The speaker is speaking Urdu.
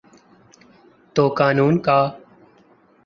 تو قانون کا۔